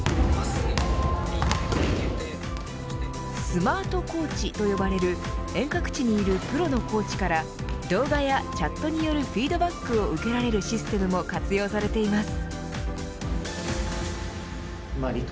スマートコーチと呼ばれる遠隔地にいるプロのコーチから動画やチャットによるフィードバックを受けられるシステムも活用されています。